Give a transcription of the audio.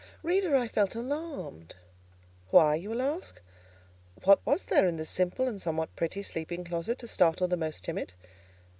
Reader; I felt alarmed! Why? you will ask. What was there in this simple and somewhat pretty sleeping closet to startle the most timid?